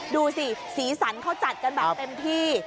ดูสิสีสันเขาจัดกันแบบเต็มที่